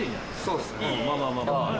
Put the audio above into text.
そうっすね。